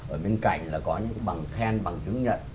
ở bên cạnh là có những cái bằng khen bằng chứng nhận